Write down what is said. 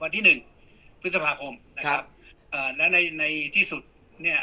ที่หนึ่งพฤษภาคมนะครับเอ่อแล้วในในที่สุดเนี่ย